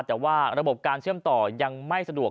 แต่ว่าระบบการเชื่อมต่อยังไม่สะดวก